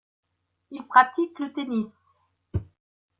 Il pratique le tennis.